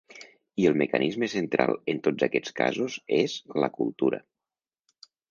I el mecanisme central en tots aquests casos és la cultura.